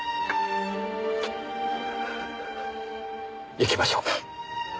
行きましょうか。